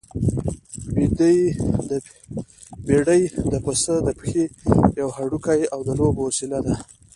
بېډۍ د پسه د پښې يو هډوکی او د لوبو وسيله ده.